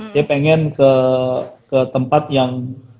dia pengen ke tempat yang